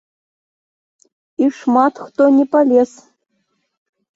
І шмат хто не палез!